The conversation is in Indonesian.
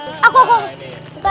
tenang tenang saja